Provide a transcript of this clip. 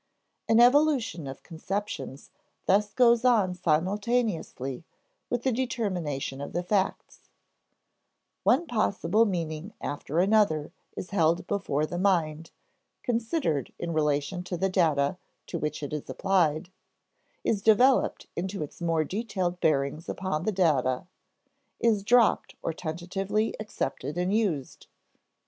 An evolution of conceptions thus goes on simultaneously with the determination of the facts; one possible meaning after another is held before the mind, considered in relation to the data to which it is applied, is developed into its more detailed bearings upon the data, is dropped or tentatively accepted and used.